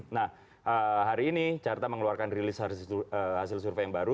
nah hari ini carta mengeluarkan rilis hasil survei yang baru